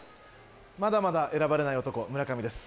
まだまだ選ばれない男村上です。